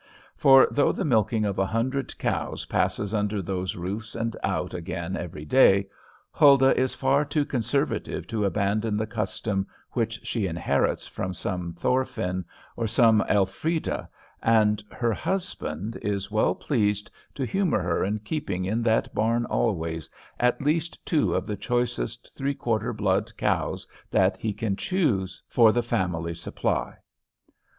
For, though the milking of a hundred cows passes under those roofs and out again every day, Huldah is far too conservative to abandon the custom which she inherits from some Thorfinn or some Elfrida, and her husband is well pleased to humor her in keeping in that barn always, at least two of the choicest three quarter blood cows that he can choose, for the family supply.